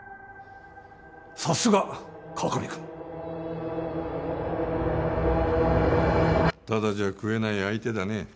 さすが川上君ただじゃ食えない相手だね